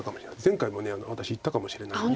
前回も私言ったかもしれないです。